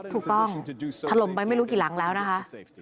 ถูกต้องถล่มไปไม่รู้กี่หลังแล้วนะคะ